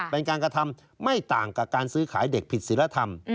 เป็นการกระทำไม่ต่างกับการซื้อขายเด็กผิดศิลธรรม